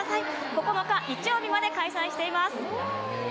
９日、日曜日まで開催しています。